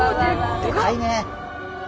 でかいね。